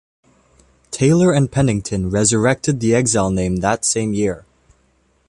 Taylor and Pennington resurrected the Exile name that same year.